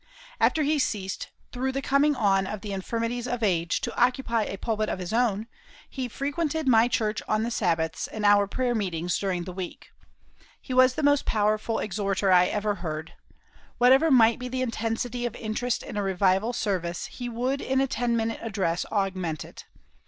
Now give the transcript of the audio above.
After he ceased, through the coming on of the infirmities of age, to occupy a pulpit of his own, he frequented my church on the Sabbaths, and our prayer meetings during the week. He was the most powerful exhorter I ever heard. Whatever might be the intensity of interest in a revival service, he would in a ten minute address augment it.